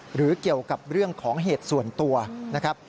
หรือเกี่ยวกับเรื่องของเหตุส่วนตัวนะครับ